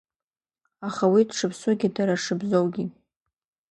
Аха уи дшыԥсугьы, дара шыбзоугьы…